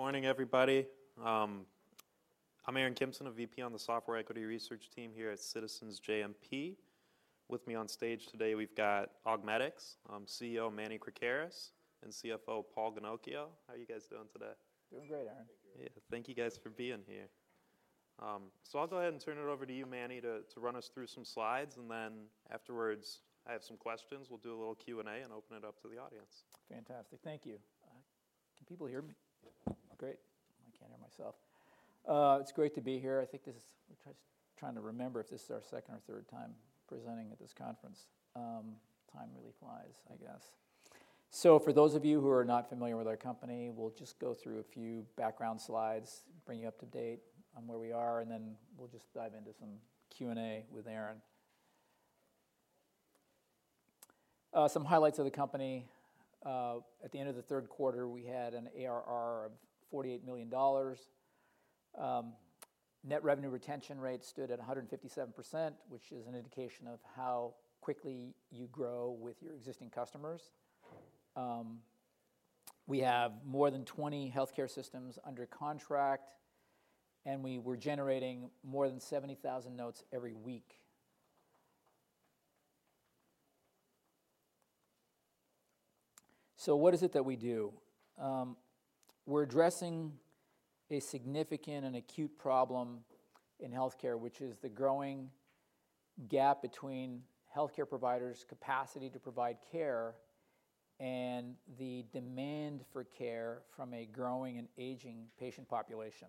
Good morning, everybody. I'm Aaron Kimson, a VP on the Software Equity Research Team here at Citizens JMP. With me on stage today we've got Augmedix CEO Manny Krakaris, and CFO Paul Ginocchio. How are you guys doing today? Doing great, Aaron. Yeah, thank you guys for being here. So I'll go ahead and turn it over to you, Manny, to run us through some slides, and then afterwards I have some questions. We'll do a little Q&A and open it up to the audience. Fantastic, thank you. Can people hear me? Great. I can't hear myself. It's great to be here. I think this is – we're trying to remember if this is our second or third time presenting at this conference. Time really flies, I guess. So for those of you who are not familiar with our company, we'll just go through a few background slides, bring you up to date on where we are, and then we'll just dive into some Q&A with Aaron. Some highlights of the company. At the end of the third quarter, we had an ARR of $48 million. Net revenue retention rate stood at 157%, which is an indication of how quickly you grow with your existing customers. We have more than 20 healthcare systems under contract, and we were generating more than 70,000 notes every week. So what is it that we do? We're addressing a significant and acute problem in healthcare, which is the growing gap between healthcare providers' capacity to provide care and the demand for care from a growing and aging patient population.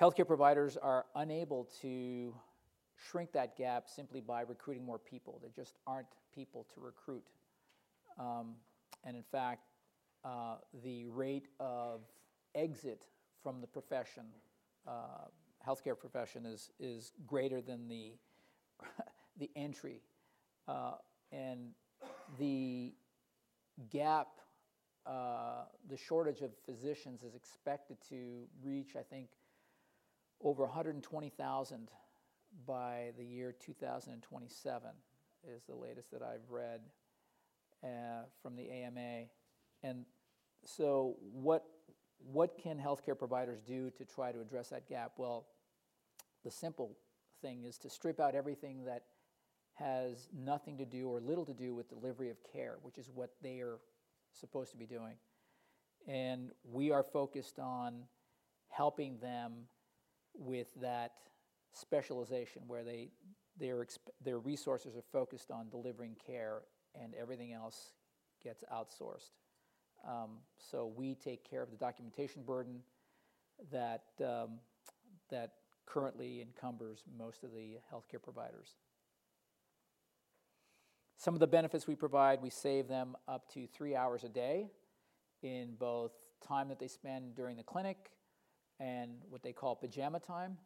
Healthcare providers are unable to shrink that gap simply by recruiting more people. There just aren't people to recruit. In fact, the rate of exit from the profession, healthcare profession, is greater than the entry. The gap, the shortage of physicians is expected to reach, I think, over 120,000 by the year 2027 is the latest that I've read, from the AMA. So what can healthcare providers do to try to address that gap? Well, the simple thing is to strip out everything that has nothing to do or little to do with delivery of care, which is what they are supposed to be doing. We are focused on helping them with that specialization where they, their, their resources are focused on delivering care and everything else gets outsourced. We take care of the documentation burden that currently encumbers most of the healthcare providers. Some of the benefits we provide, we save them up to three hours a day in both time that they spend during the clinic and what they call pajama time,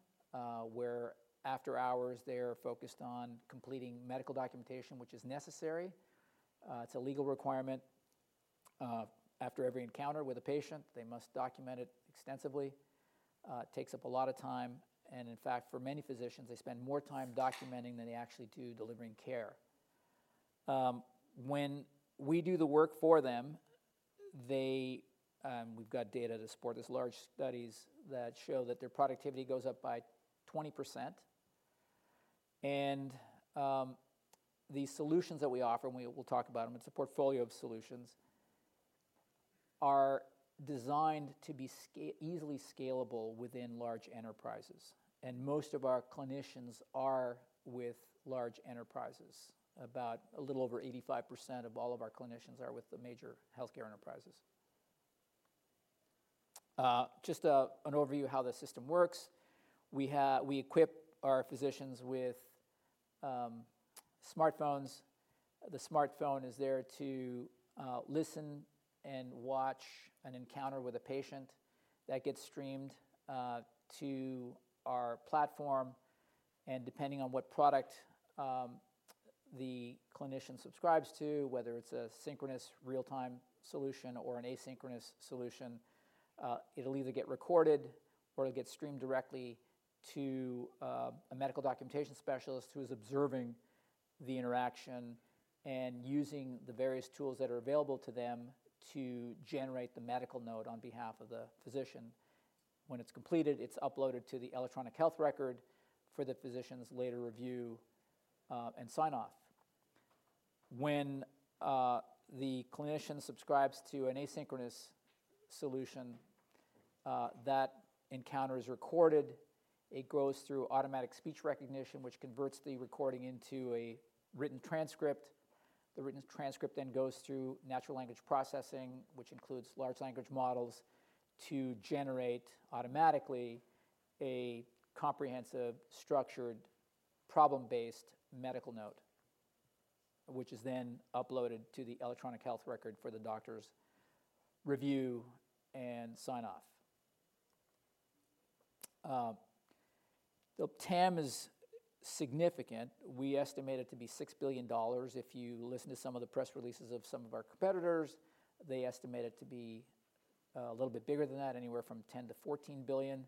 where after hours they're focused on completing medical documentation, which is necessary. It's a legal requirement. After every encounter with a patient, they must document it extensively. It takes up a lot of time. In fact, for many physicians, they spend more time documenting than they actually do delivering care. When we do the work for them, they. We've got data to support this large studies that show that their productivity goes up by 20%. The solutions that we offer, and we will talk about them, it's a portfolio of solutions, are designed to be easily scalable within large enterprises. Most of our clinicians are with large enterprises. About a little over 85% of all of our clinicians are with the major healthcare enterprises. Just an overview of how the system works. We equip our physicians with smartphones. The smartphone is there to listen and watch an encounter with a patient. That gets streamed to our platform. Depending on what product the clinician subscribes to, whether it's a synchronous real-time solution or an asynchronous solution, it'll either get recorded or it'll get streamed directly to a medical documentation specialist who is observing the interaction and using the various tools that are available to them to generate the medical note on behalf of the physician. When it's completed, it's uploaded to the electronic health record for the physician's later review, and sign-off. When the clinician subscribes to an asynchronous solution, that encounter is recorded. It goes through automatic speech recognition, which converts the recording into a written transcript. The written transcript then goes through natural language processing, which includes large language models, to generate automatically a comprehensive, structured, problem-based medical note, which is then uploaded to the electronic health record for the doctor's review and sign-off. The TAM is significant. We estimate it to be $6 billion. If you listen to some of the press releases of some of our competitors, they estimate it to be a little bit bigger than that, anywhere from $10 billion-$14 billion.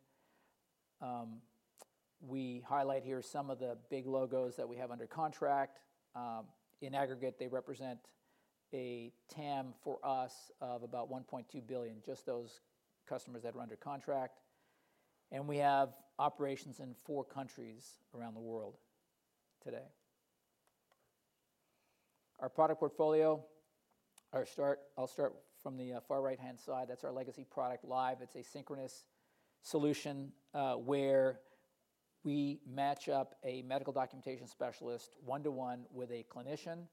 We highlight here some of the big logos that we have under contract. In aggregate, they represent a TAM for us of about 1.2 billion, just those customers that are under contract. We have operations in four countries around the world today. Our product portfolio. I'll start from the far right-hand side. That's our legacy product, Live. It's a synchronous solution, where we match up a medical documentation specialist one-to-one with a clinician,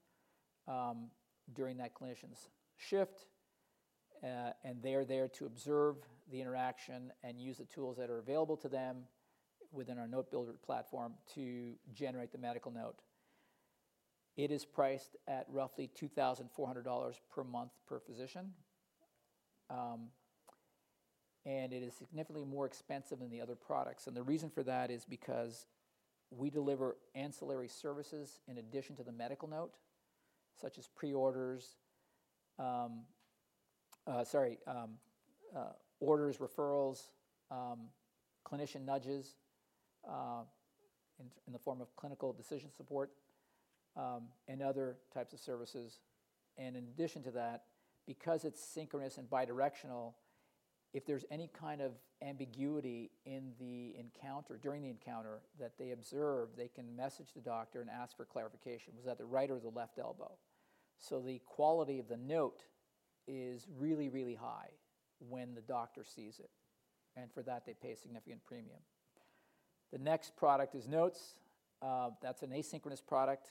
during that clinician's shift, and they're there to observe the interaction and use the tools that are available to them within our note-builder platform to generate the medical note. It is priced at roughly $2,400 per month per physician, and it is significantly more expensive than the other products. The reason for that is because we deliver ancillary services in addition to the medical note, such as pre-orders, sorry, orders, referrals, clinician nudges, in the form of clinical decision support, and other types of services. And in addition to that, because it's synchronous and bidirectional, if there's any kind of ambiguity in the encounter, during the encounter, that they observe, they can message the doctor and ask for clarification. Was that the right or the left elbow? So the quality of the note is really, really high when the doctor sees it. And for that, they pay a significant premium. The next product is Notes. That's an asynchronous product,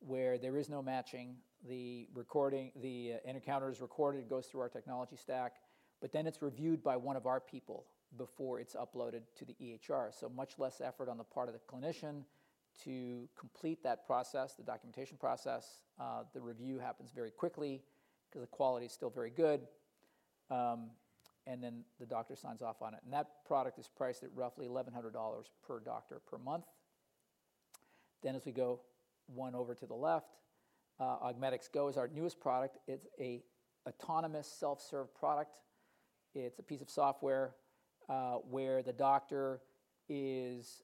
where there is no matching. The recording, the encounter is recorded. It goes through our technology stack. But then it's reviewed by one of our people before it's uploaded to the EHR. So much less effort on the part of the clinician to complete that process, the documentation process. The review happens very quickly 'cause the quality's still very good. And then the doctor signs off on it. That product is priced at roughly $1,100 per doctor per month. As we go one over to the left, Augmedix Go is our newest product. It's an autonomous, self-serve product. It's a piece of software, where the doctor has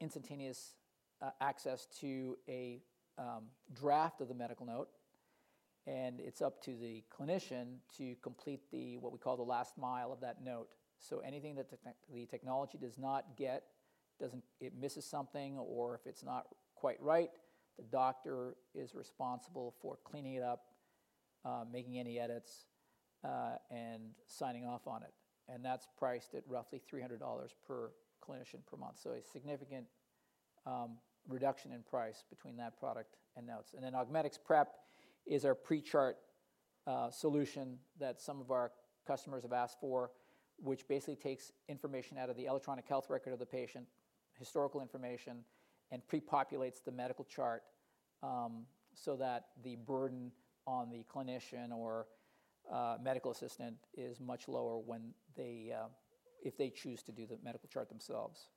instantaneous access to a draft of the medical note. And it's up to the clinician to complete what we call the last mile of that note. So anything that the technology does not get, doesn't, it misses something, or if it's not quite right, the doctor is responsible for cleaning it up, making any edits, and signing off on it. And that's priced at roughly $300 per clinician per month. So a significant reduction in price between that product and Notes. And then Augmedix Prep is our pre-chart solution that some of our customers have asked for, which basically takes information out of the electronic health record of the patient, historical information, and pre-populates the medical chart, so that the burden on the clinician or medical assistant is much lower when they, if they choose to do the medical chart themselves.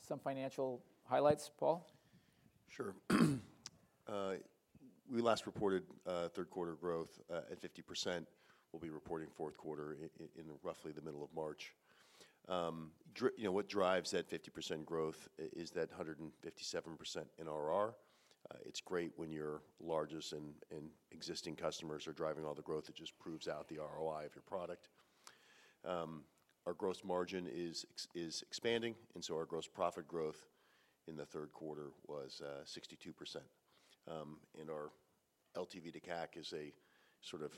Some financial highlights, Paul? Sure. We last reported third quarter growth at 50%. We'll be reporting fourth quarter in roughly the middle of March. You know, what drives that 50% growth is that 157% NRR. It's great when your largest and existing customers are driving all the growth. It just proves out the ROI of your product. Our gross margin is expanding. And so our gross profit growth in the third quarter was 62%. And our LTV to CAC is a sort of,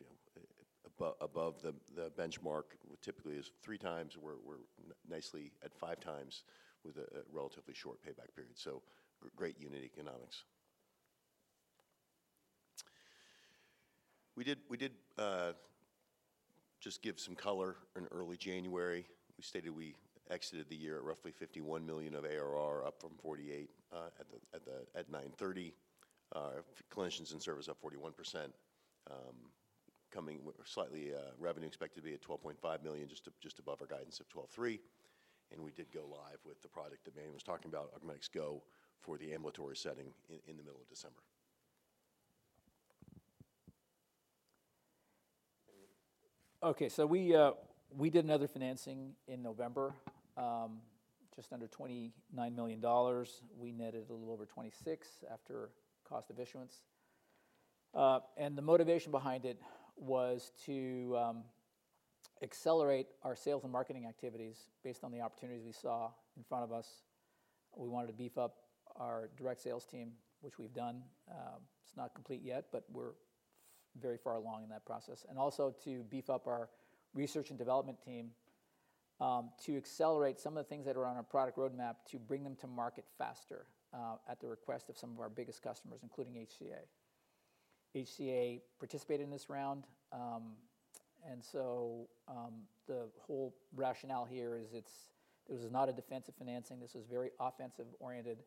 you know, above the benchmark, which typically is 3x. We're nicely at 5x with a relatively short payback period. So great unit economics. We did just give some color in early January. We stated we exited the year at roughly $51 million of ARR, up from $48 million at 930 clinicians in service up 41%. coming slightly, revenue expected to be at $12.5 million, just to just above our guidance of $12.3 million. And we did go live with the product that Manny was talking about, Augmedix Go, for the ambulatory setting in the middle of December. Okay. So we, we did another financing in November, just under $29 million. We netted a little over $26 million after cost of issuance. The motivation behind it was to accelerate our sales and marketing activities based on the opportunities we saw in front of us. We wanted to beef up our direct sales team, which we've done. It's not complete yet, but we're very far along in that process. And also to beef up our research and development team, to accelerate some of the things that are on our product roadmap to bring them to market faster, at the request of some of our biggest customers, including HCA. HCA participated in this round. And so, the whole rationale here is it's this was not a defensive financing. This was very offensive-oriented,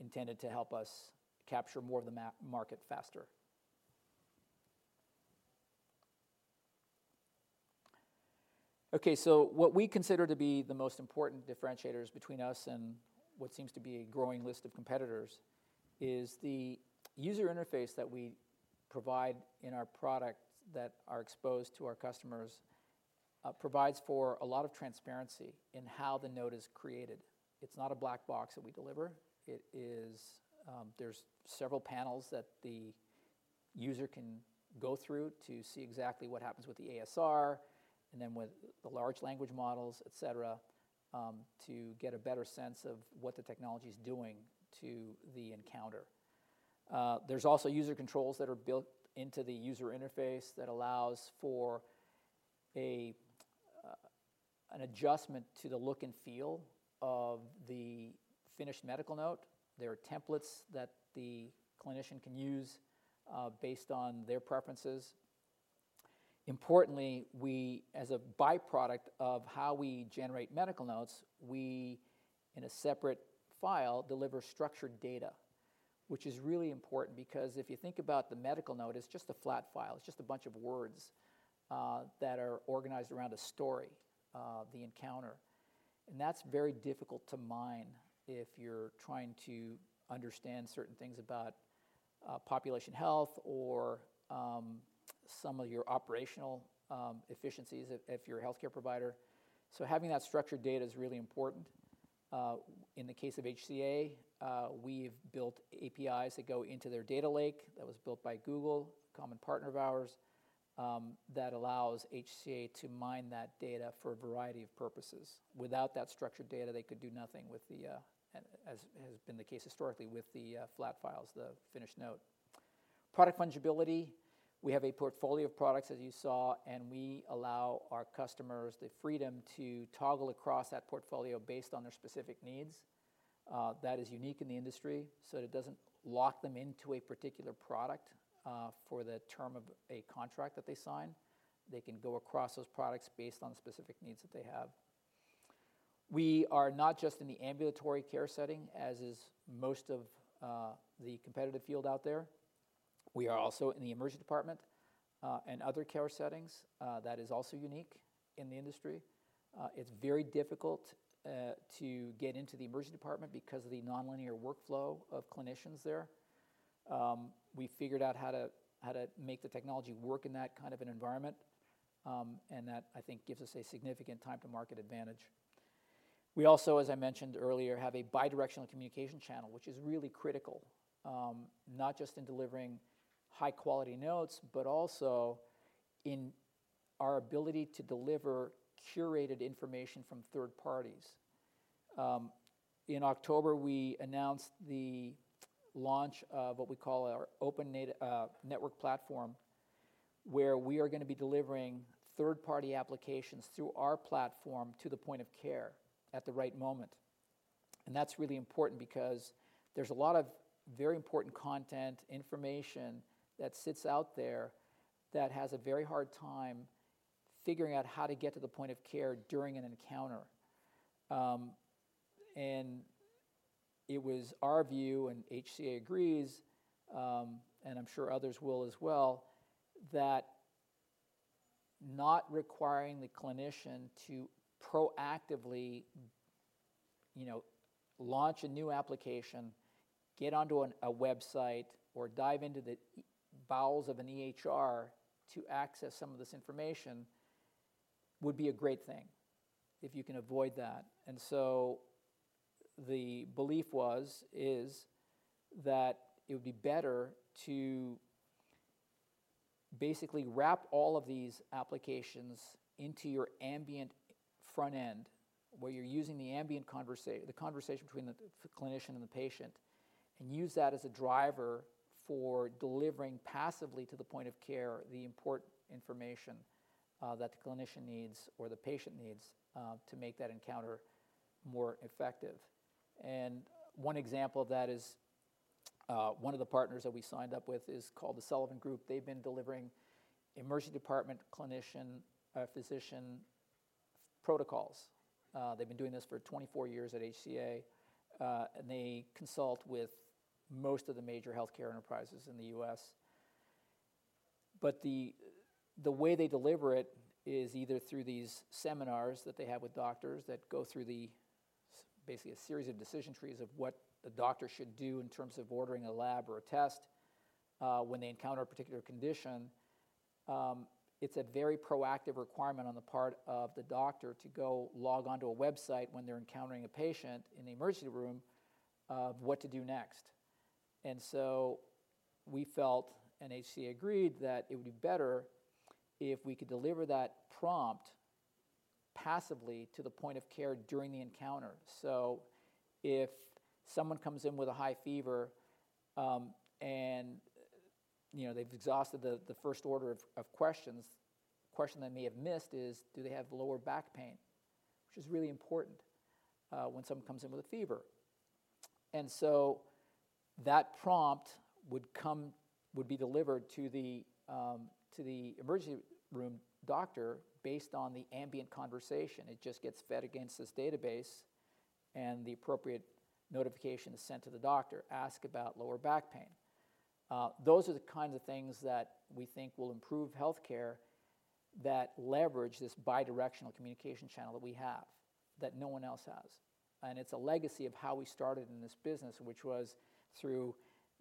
intended to help us capture more of the market faster. Okay. So what we consider to be the most important differentiators between us and what seems to be a growing list of competitors is the user interface that we provide in our product that are exposed to our customers, provides for a lot of transparency in how the note is created. It's not a black box that we deliver. It is, there's several panels that the user can go through to see exactly what happens with the ASR and then with the large language models, etc., to get a better sense of what the technology's doing to the encounter. There's also user controls that are built into the user interface that allows for a, an adjustment to the look and feel of the finished medical note. There are templates that the clinician can use, based on their preferences. Importantly, we, as a byproduct of how we generate medical notes, we, in a separate file, deliver structured data, which is really important because if you think about the medical note, it's just a flat file. It's just a bunch of words that are organized around a story, the encounter. And that's very difficult to mine if you're trying to understand certain things about population health or some of your operational efficiencies if you're a healthcare provider. So having that structured data is really important. In the case of HCA, we've built APIs that go into their data lake that was built by Google, a common partner of ours, that allows HCA to mine that data for a variety of purposes. Without that structured data, they could do nothing with the, as has been the case historically with the flat files, the finished note. Product fungibility. We have a portfolio of products, as you saw, and we allow our customers the freedom to toggle across that portfolio based on their specific needs. That is unique in the industry. So it doesn't lock them into a particular product, for the term of a contract that they sign. They can go across those products based on the specific needs that they have. We are not just in the ambulatory care setting, as is most of the competitive field out there. We are also in the emergency department, and other care settings. That is also unique in the industry. It's very difficult to get into the emergency department because of the nonlinear workflow of clinicians there. We figured out how to make the technology work in that kind of an environment, and that, I think, gives us a significant time-to-market advantage. We also, as I mentioned earlier, have a bidirectional communication channel, which is really critical, not just in delivering high-quality notes, but also in our ability to deliver curated information from third parties. In October, we announced the launch of what we call our Open Network Platform, where we are gonna be delivering third-party applications through our platform to the point of care at the right moment. And that's really important because there's a lot of very important content, information that sits out there that has a very hard time figuring out how to get to the point of care during an encounter. It was our view, and HCA agrees, and I'm sure others will as well, that not requiring the clinician to proactively, you know, launch a new application, get onto a website, or dive into the bowels of an EHR to access some of this information would be a great thing if you can avoid that. So the belief was, is, that it would be better to basically wrap all of these applications into your ambient front end, where you're using the ambient conversation between the clinician and the patient, and use that as a driver for delivering passively to the point of care the important information, that the clinician needs or the patient needs, to make that encounter more effective. One example of that is, one of the partners that we signed up with is called the Sullivan Group. They've been delivering emergency department clinician, physician protocols. They've been doing this for 24 years at HCA. And they consult with most of the major healthcare enterprises in the U.S. But the way they deliver it is either through these seminars that they have with doctors that go through basically a series of decision trees of what the doctor should do in terms of ordering a lab or a test, when they encounter a particular condition. It's a very proactive requirement on the part of the doctor to go log onto a website when they're encountering a patient in the emergency room of what to do next. And so we felt, and HCA agreed, that it would be better if we could deliver that prompt passively to the point of care during the encounter. So if someone comes in with a high fever, and, you know, they've exhausted the first order of questions, the question they may have missed is, do they have lower back pain, which is really important, when someone comes in with a fever? And so that prompt would be delivered to the emergency room doctor based on the ambient conversation. It just gets fed against this database, and the appropriate notification is sent to the doctor, "Ask about lower back pain." Those are the kinds of things that we think will improve healthcare that leverage this bidirectional communication channel that we have that no one else has. And it's a legacy of how we started in this business, which was through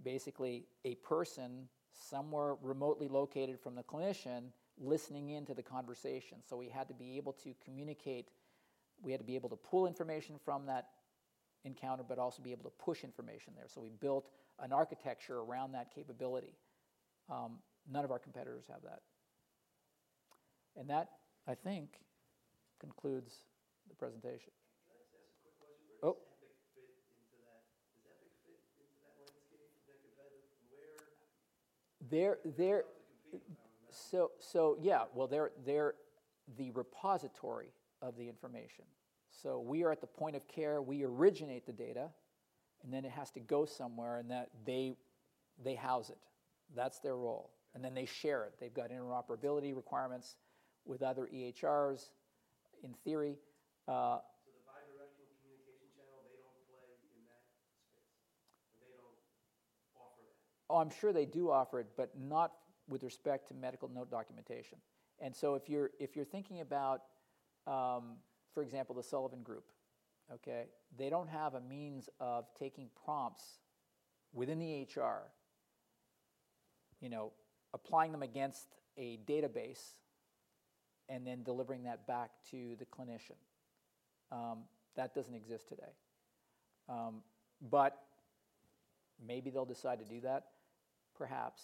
basically a person somewhere remotely located from the clinician listening into the conversation. So we had to be able to communicate. We had to be able to pull information from that encounter but also be able to push information there. So we built an architecture around that capability. None of our competitors have that. That, I think, concludes the presentation. Can you guys ask a quick question? Where does Epic fit into that? Does Epic fit into that landscape? Is that competitive? And where? There, there. They're about to compete. I remember. So, yeah. Well, they're the repository of the information. So we are at the point of care. We originate the data, and then it has to go somewhere, and then they house it. That's their role. Then they share it. They've got interoperability requirements with other EHRs, in theory. The bidirectional communication channel, they don't play in that space, or they don't offer that? Oh, I'm sure they do offer it, but not with respect to medical note documentation. And so if you're if you're thinking about, for example, the Sullivan Group, okay, they don't have a means of taking prompts within the EHR, you know, applying them against a database, and then delivering that back to the clinician. That doesn't exist today. But maybe they'll decide to do that, perhaps.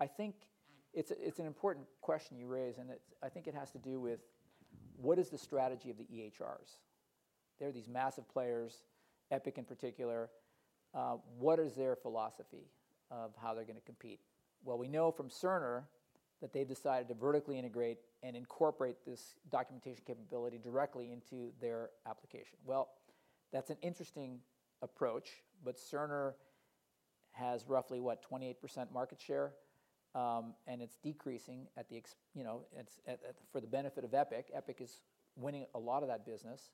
I think it's a it's an important question you raise, and it I think it has to do with, what is the strategy of the EHRs? They're these massive players, Epic in particular. What is their philosophy of how they're gonna compete? Well, we know from Cerner that they've decided to vertically integrate and incorporate this documentation capability directly into their application. Well, that's an interesting approach, but Cerner has roughly, what, 28% market share, and it's decreasing at the expense, you know, for the benefit of Epic. Epic is winning a lot of that business.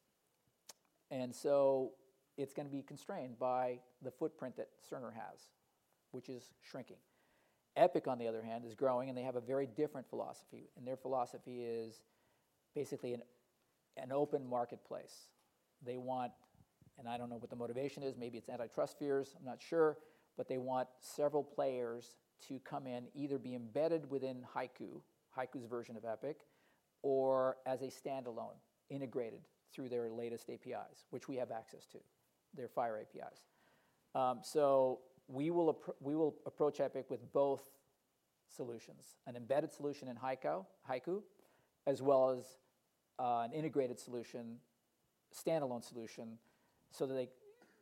And so it's gonna be constrained by the footprint that Cerner has, which is shrinking. Epic, on the other hand, is growing, and they have a very different philosophy. And their philosophy is basically an open marketplace. They want, and I don't know what the motivation is. Maybe it's antitrust fears. I'm not sure. But they want several players to come in, either be embedded within Haiku, Haiku's version of Epic, or as a standalone, integrated through their latest APIs, which we have access to, their FHIR APIs. So we will approach we will approach Epic with both solutions, an embedded solution in Haiku, as well as an integrated solution, standalone solution, so that they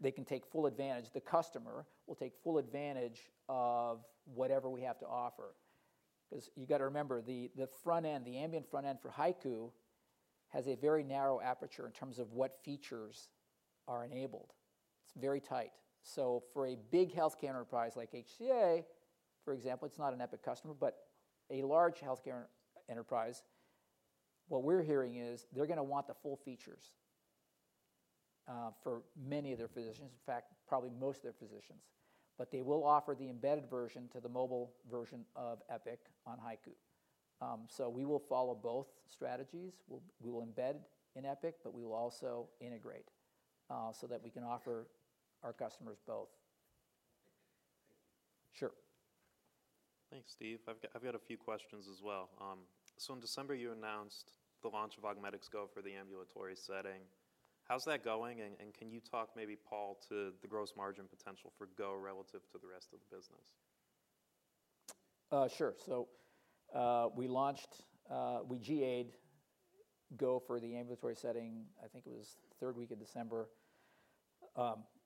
they can take full advantage. The customer will take full advantage of whatever we have to offer. 'Cause you gotta remember, the the front end, the ambient front end for Haiku has a very narrow aperture in terms of what features are enabled. It's very tight. So for a big healthcare enterprise like HCA, for example, it's not an Epic customer, but a large healthcare enterprise, what we're hearing is they're gonna want the full features, for many of their physicians. In fact, probably most of their physicians. But they will offer the embedded version to the mobile version of Epic on Haiku. So we will follow both strategies. We will embed in Epic, but we will also integrate, so that we can offer our customers both. Epic. Thank you. Sure. Thanks, Steve. I've got a few questions as well. In December, you announced the launch of Augmedix Go for the ambulatory setting. How's that going? And can you talk maybe, Paul, to the gross margin potential for Go relative to the rest of the business? Sure. So, we launched, we GA'd Go for the ambulatory setting. I think it was the third week of December.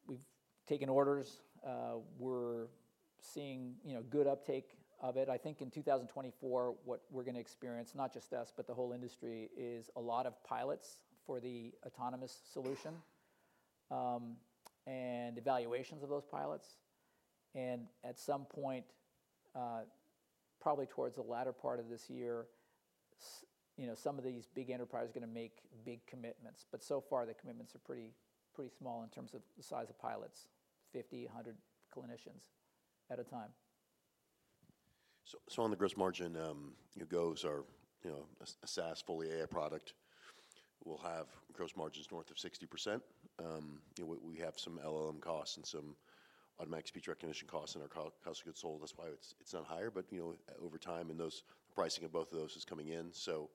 We've taken orders. We're seeing, you know, good uptake of it. I think in 2024, what we're gonna experience, not just us but the whole industry, is a lot of pilots for the autonomous solution, and evaluations of those pilots. And at some point, probably towards the latter part of this year, so you know, some of these big enterprises are gonna make big commitments. But so far, the commitments are pretty, pretty small in terms of the size of pilots, 50, 100 clinicians at a time. So, on the gross margin, you know, Go's are, you know, a SaaS fully AI product. We'll have gross margins north of 60%. You know, we, we have some LLM costs and some automatic speech recognition costs in our cost of goods sold. That's why it's, it's not higher. But, you know, over time, and those the pricing of both of those is coming in. So,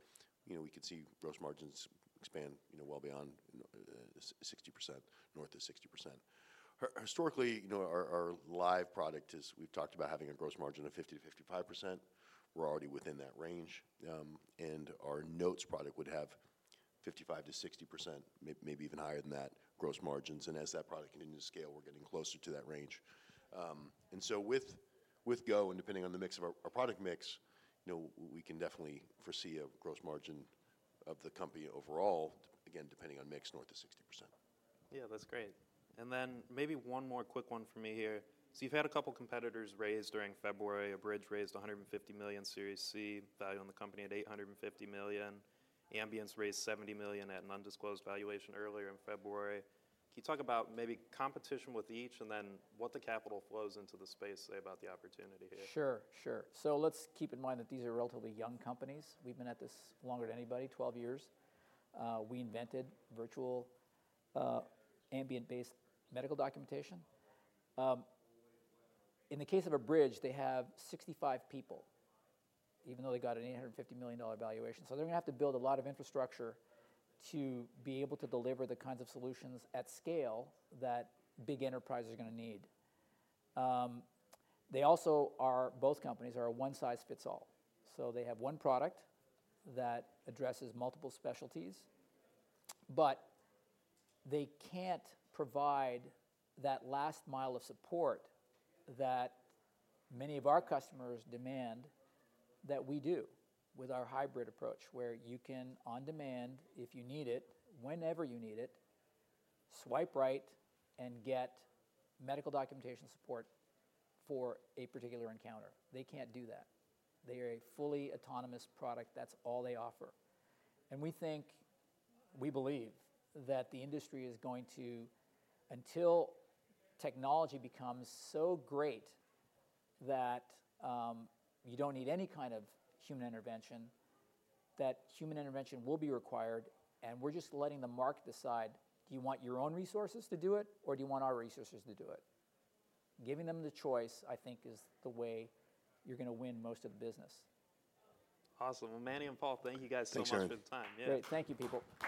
you know, we could see gross margins expand, you know, well beyond, you know, 60%, north of 60%. Historically, you know, our, our Live product is we've talked about having a gross margin of 50%-55%. We're already within that range. And our Notes product would have 55%-60%, maybe even higher than that, gross margins. And as that product continues to scale, we're getting closer to that range. And so with Go, and depending on the mix of our product mix, you know, we can definitely foresee a gross margin of the company overall, again, depending on mix, north of 60%. Yeah, that's great. And then maybe one more quick one for me here. So you've had a couple competitors raise during February. Abridge raised $150 million Series C value on the company at $850 million. Ambience raised $70 million at an undisclosed valuation earlier in February. Can you talk about maybe competition with each, and then what the capital flows into the space say about the opportunity here? Sure, sure. So let's keep in mind that these are relatively young companies. We've been at this longer than anybody, 12 years. We invented virtual, ambient-based medical documentation. In the case of Abridge, they have 65 people, even though they got an $850 million valuation. So they're gonna have to build a lot of infrastructure to be able to deliver the kinds of solutions at scale that big enterprises are gonna need. They also are both companies are a one-size-fits-all. So they have one product that addresses multiple specialties, but they can't provide that last mile of support that many of our customers demand that we do with our hybrid approach, where you can, on demand, if you need it, whenever you need it, swipe right and get medical documentation support for a particular encounter. They can't do that. They are a fully autonomous product. That's all they offer. We think we believe that the industry is going to, until technology becomes so great that you don't need any kind of human intervention, that human intervention will be required, and we're just letting the market decide, do you want your own resources to do it, or do you want our resources to do it? Giving them the choice, I think, is the way you're gonna win most of the business. Awesome. Well, Manny and Paul, thank you guys so much for the time. Yeah. Thanks for your time. Great. Thank you, people.